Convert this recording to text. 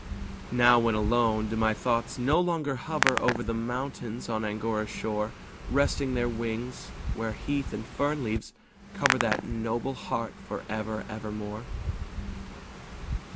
Now, when alone, do my thoughts no longer hover Over the mountains on Angora's shore, Resting their wings, where heath and fern leaves cover That noble heart for ever, ever more?